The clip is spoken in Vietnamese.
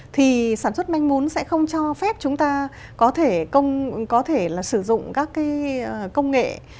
thì sản xuất manh mốn sẽ không cho phép chúng ta có thể sử dụng các cái công nghệ